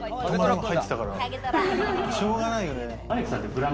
しょうがないよね。